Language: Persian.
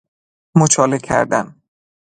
مچاله کردن